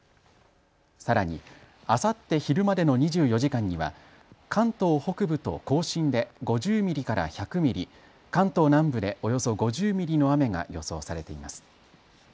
さらにあさって昼までの２４時間には関東北部と甲信で５０ミリから１００ミリ、関東南部でおよそ５０ミリの雨が予想されています。